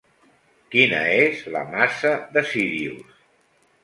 Quina és la massa de Sírius?